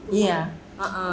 dan bahan bahannya tuh sudah lama